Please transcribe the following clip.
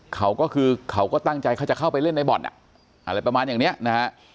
เขาก็คือเขาก็ตั้งใจเขาจะเข้าไปเล่นในบ่อนอะไรประมาณอย่างเนี้ยนะฮะ